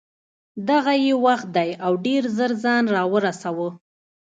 دغه یې وخت دی او ډېر ژر ځان را ورسوه.